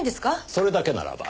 それだけならば。